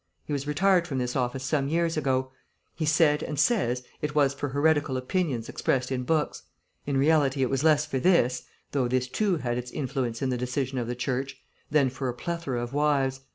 He was retired from this office some years ago; he said and says it was for heretical opinions expressed in books. In reality it was less for this (though this too had its influence in the decision of the Church) than for a plethora of wives.